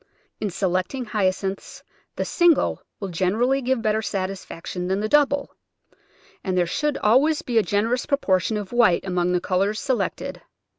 In selecting Hyacinths the single will generally give better satis faction than the double, and there should always be a generous proportion of white among the colours se lected.